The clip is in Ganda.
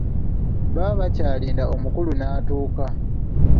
Baba bakyalinda omukulu n'atuuka.